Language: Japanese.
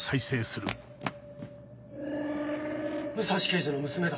武蔵刑事の娘だ。